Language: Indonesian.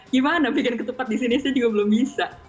gimana bikin ketupat disini sih juga belum bisa